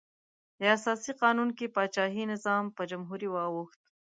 د اساسي قانون کې پاچاهي نظام په جمهوري واوښت.